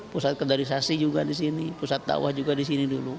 pusat kendarisasi juga di sini pusat dakwah juga di sini dulu